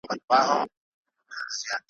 پرون مازیګر ناوخته ,